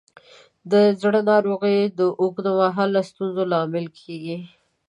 د زړه ناروغۍ د اوږد مهاله ستونزو لامل کېږي.